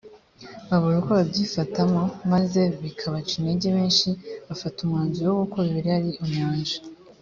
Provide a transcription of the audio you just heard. babura uko babyifatamo maze bikabaca intege benshi bafata umwanzuro w uko bibiliya ari inyanja